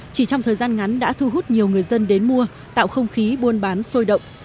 chỉ trong thời gian ngắn đã thu hút nhiều người dân đến mua tạo không khí buôn bán sôi động